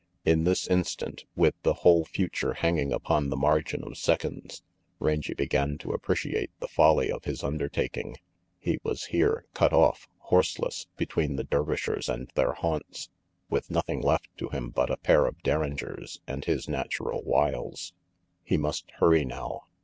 In this instant, with the whole future hanging upon the margin of seconds, Rangy began to appreciate the folly of his undertaking. He was here, cut off, horseless, between the Dervishers and their haunts, with nothing left to him but a pair of derringers and his natural wiles. He must hurry now.